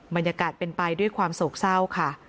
บรรยากาศเป็นไปด้วยความโศกเศร้าค่ะ